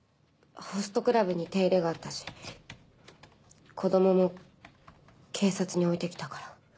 ホストクラブに手入れがあったし子供も警察に置いてきたから。